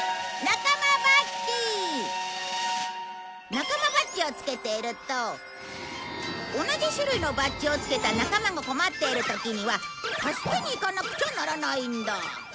なかまバッジをつけていると同じ種類のバッジをつけた仲間が困っている時には助けに行かなくちゃならないんだ。